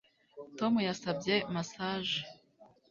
Tom yasabye massage